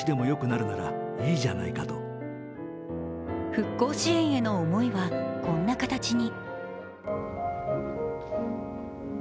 復興支援への思いはこんな形に。